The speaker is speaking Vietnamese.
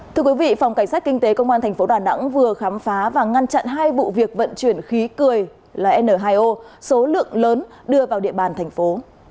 thưa quý vị phòng cảnh sát kinh tế công an tp đà nẵng vừa khám phá và ngăn chặn hai vụ việc vận chuyển khí cười là n hai o số lượng lớn đưa vào địa bàn thành phố